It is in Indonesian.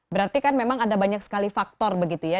berarti kan memang ada banyak sekali faktor begitu ya